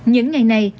những ngày này